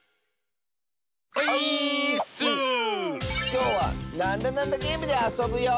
きょうは「なんだなんだゲーム」であそぶよ！